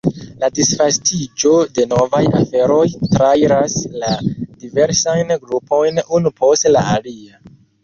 La disvastiĝo de novaj aferoj trairas la diversajn grupojn unu post la alia.